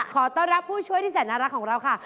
ขอต้อนรับผู้ช่วยที่แสนน่ารักของเราค่ะ